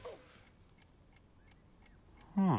うん？